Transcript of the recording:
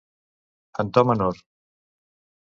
En to menor.